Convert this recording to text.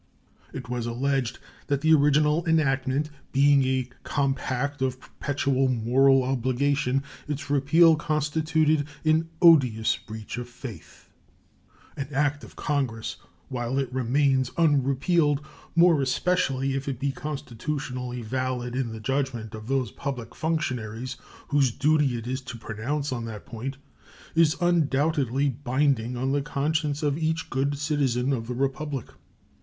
It was alleged that the original enactment being a compact of perpetual moral obligation, its repeal constituted an odious breach of faith. An act of Congress, while it remains unrepealed, more especially if it be constitutionally valid in the judgment of those public functionaries whose duty it is to pronounce on that point, is undoubtedly binding on the conscience of each good citizen of the Republic.